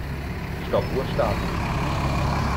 Stoppuhr starten.